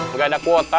nggak ada kuota